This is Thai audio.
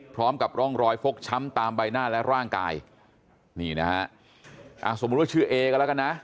พร้อมกับร่องรอยฟกช้ำตามใบหน้าและร่างกายนี่นะฮะอ่าสมมุติว่าชื่อเอก็แล้วกันนะ